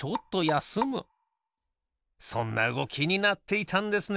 そんなうごきになっていたんですね。